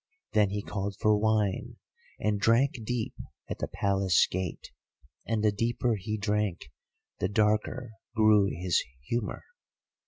Then he called for wine, and drank deep at the Palace gate, and the deeper he drank the darker grew his humour.